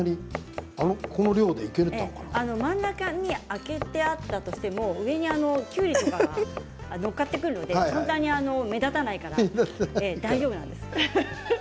真ん中空けてあったとしても上にきゅうりが載っかってくるのでそんなに目立たないから大丈夫なんです。